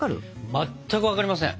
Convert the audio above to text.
まったく分かりません。